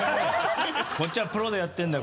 こっちはプロでやってるんだよ